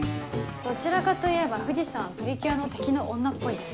どちらかといえば藤さんはプリキュアの敵の女っぽいです。